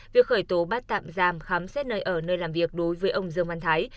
việc khởi tố bắt tạm giam khám xét nơi ở nơi làm việc đối với ông dương văn thái